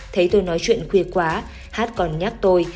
thấy tôi nói chuyện khuya quá hát còn nhắc tôi